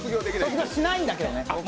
卒業、しないんだけどね。